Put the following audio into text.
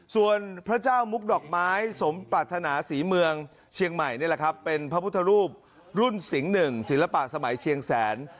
ส่วนพระเจ้ามุกดอกไม้สมปรัฐนาศรีเมืองเชียงใหม่นี่แหละครับเป็นพระพุทธรูปรุ่นสิงห์หนึ่งศิลปะสมัยเชียงแสน